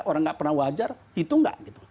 orang nggak pernah wajar itu nggak